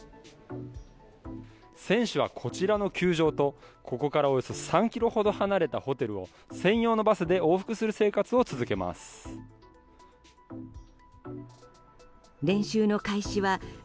選手はこちらの球場とここからおよそ３ｋｍ離れたホテルを専用のバスで往復する生活を続けます。